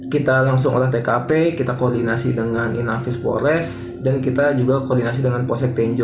kita langsung olah tkp kita koordinasi dengan inafis polres dan kita juga koordinasi dengan posek tenjo